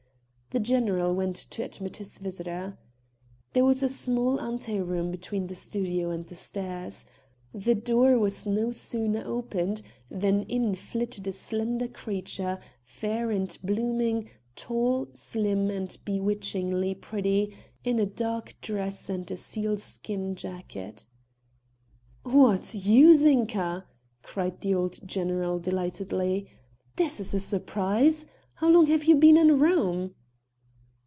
The general went to admit his visitor. There was a small ante room between the studio and the stairs. The door was no sooner opened than in flitted a slender creature, fair and blooming, tall, slim, and bewitchingly pretty, in a dark dress and a sealskin jacket. "What, you Zinka!" cried the old general delightedly. "This is a surprise! How long have you been in Rome?"